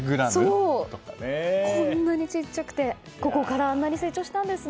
こんなに小さくてここからあんなに成長したんですね。